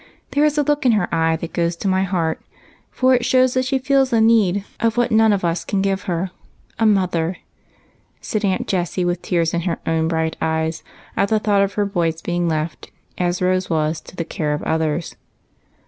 There is a look in her eyes that goes to my heart, for it shows that she feels the need of what none of us can give her, — a mother," said Aunt Jessie, with tears in her own bright eyes at the thought of her boys being left, as Rose was, to the care of others.